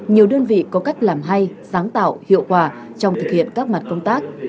nhiều đơn vị có cách làm hay sáng tạo hiệu quả trong thực hiện các mặt công tác